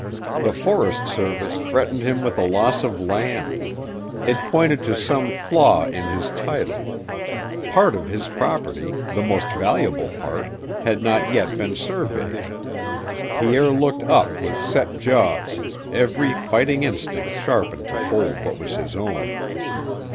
The Forest Service threatened him with a loss of land; it pointed to some flaw in his title; part of his property, the most valuable part, had not yet been surveyed.... Pierre looked up with set jaws, every fighting instinct sharpened to hold what was his own.